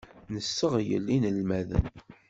Nesseɣyel inelmaden.